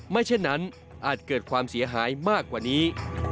เช่นนั้นอาจเกิดความเสียหายมากกว่านี้